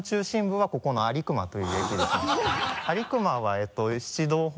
はい。